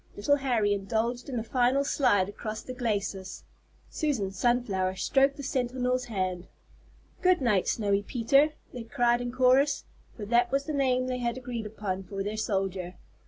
Little Harry indulged in a final slide across the glacis. Susan Sunflower stroked the Sentinel's hand. "Good night, Snowy Peter!" they cried in chorus, for that was the name they had agreed upon for their soldier.